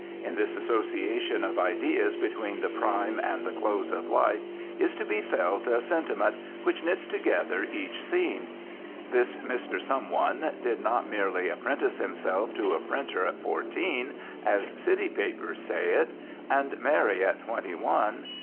In this association of ideas between the prime and the close of life is to be felt a sentiment which knits together each scene. This Mr. Some One did not merely apprentice himself to a printer at fourteen (as city papers say it) and marry at twenty one.